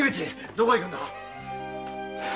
どこへ行くんだ。